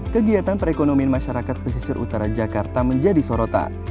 kegiatan perekonomian masyarakat pesisir utara jakarta menjadi sorotan